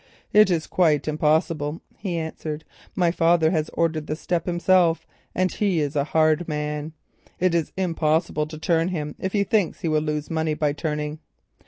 "It is quite impossible," he answered. "My father ordered the step himself, and he is a hard man. It is impossible to turn him if he thinks he will lose money by turning.